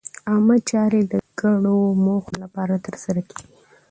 عامه چارې د ګډو موخو لپاره ترسره کېږي.